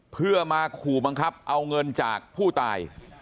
เพื่อมาขู่บังคับเอาเงินจากผู้ตาย